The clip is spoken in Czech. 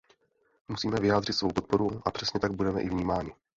Musíme vyjádřit svou podporu a přesně tak budeme i vnímáni.